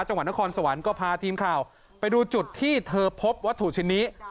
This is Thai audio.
จังหวัดนครสวรรค์ก็พาทีมข่าวไปดูจุดที่เธอพบวัตถุชิ้นนี้